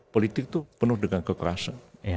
politik itu penuh dengan kekerasan